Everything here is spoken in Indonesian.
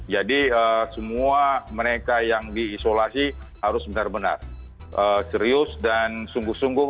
jadi semua mereka yang diisolasi harus benar benar serius dan sungguh sungguh